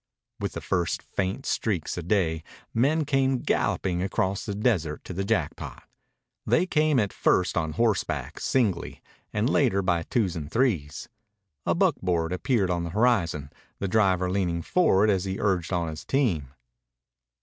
With the first faint streaks of day men came galloping across the desert to the Jackpot. They came at first on horseback, singly, and later by twos and threes. A buckboard appeared on the horizon, the driver leaning forward as he urged on his team.